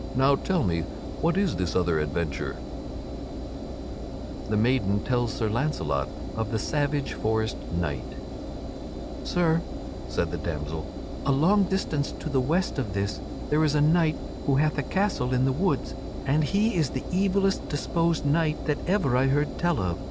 Now, tell me, what is this other adventure?" [Sidenote: The maiden tells Sir Launcelot of the savage forest knight] "Sir," said the damsel, "a long distance to the west of this there is a knight who hath a castle in the woods and he is the evilest disposed knight that ever I heard tell of.